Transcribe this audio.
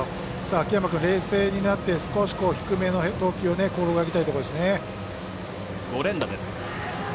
秋山君、冷静になって少し低めの投球を心がけたいところですね。